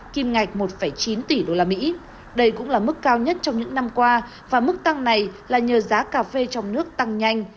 kim ngạch một chín tỷ usd đây cũng là mức cao nhất trong những năm qua và mức tăng này là nhờ giá cà phê trong nước tăng nhanh